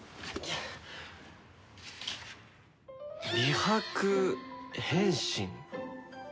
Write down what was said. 「美白変身」。